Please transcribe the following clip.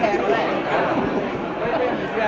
หรอน่างงี้แหละ